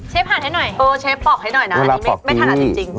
เชฟหาให้หน่อยเบอร์เชฟปลอกให้หน่อยนะไม่ถนัดจริง